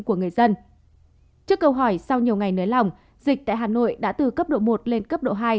của người dân trước câu hỏi sau nhiều ngày nới lỏng dịch tại hà nội đã từ cấp độ một lên cấp độ hai